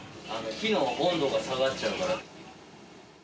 火の温度が下がっちゃうから。